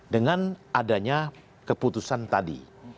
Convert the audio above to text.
dengan adanya keputusan tadi